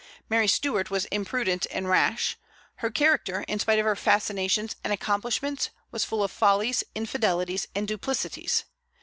Mary Stuart was imprudent and rash. Her character, in spite of her fascinations and accomplishments, was full of follies, infidelities, and duplicities.